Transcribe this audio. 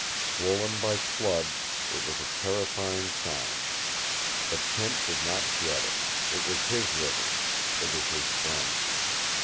Swollen by flood, it was a terrifying sound. But Kent did not dread it. It was his river; it was his friend.